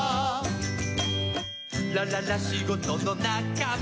「ラララしごとのなかま